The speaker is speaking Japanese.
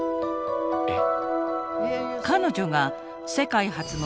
えっ！